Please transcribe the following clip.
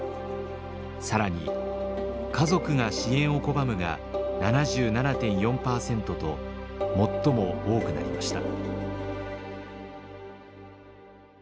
更に「家族が支援を拒む」が７７．４％と最も多くなりました。